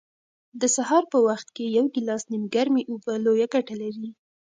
د سهار په وخت کې یو ګیلاس نیمګرمې اوبه لویه ګټه لري.